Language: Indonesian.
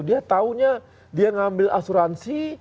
dia taunya dia ngambil asuransi